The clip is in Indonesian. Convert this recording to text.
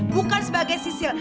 bukan sebagai sisil